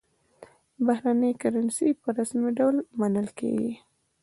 بهرنۍ کرنسي په رسمي ډول منل کېږي.